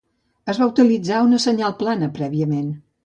Es va utilitzar una senyal plana prèviament.